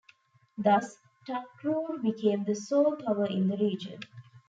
Thus, Takrur became the sole power in the region.